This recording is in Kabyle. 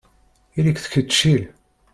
Ili-k d kečči.